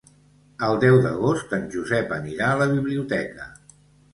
El deu d'agost en Josep anirà a la biblioteca.